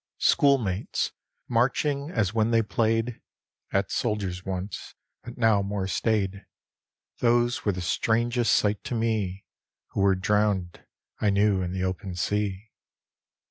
D,gt,, erihyGOOglC A Dream 5 Schoolmates, marching as when they play'd At soldiers once — but now more staid ; Those were the strangest sight to me Who were drown'd, I knew, in the open sea.